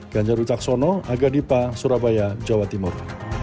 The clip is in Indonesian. ganjar wicaksono aga dipa surabaya jawa timur